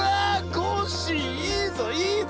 コッシーいいぞいいぞ！